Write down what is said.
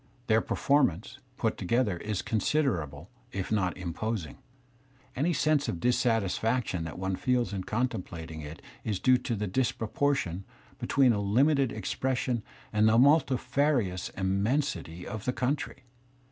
Their perform ance, put together, is considerable, if not imposing. Any { sense of dissatisfaction that one feels in contemplating it is due to the disp roportion between a limited expression and y^ ^e multifarious immensity of the country.